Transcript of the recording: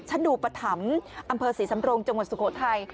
ชะดูปฐำอำเภอศรีสำรงค์จังหวัดสุโขทัย